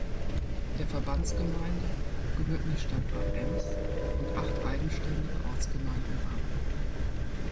Der Verbandsgemeinde gehörten die Stadt Bad Ems und acht eigenständige Ortsgemeinden an.